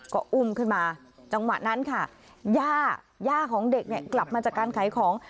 ก็อุ้มขึ้นมาจังหวะนั้นค่ะย่าย่าของเด็กเนี่ยกลับมาจากการขายของ